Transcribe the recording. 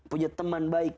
punya teman baik